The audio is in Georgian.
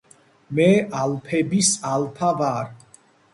მე ალფების ალფა ვარ.